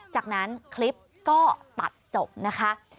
จากนั้นคลิปก็ตัดจบนะคะ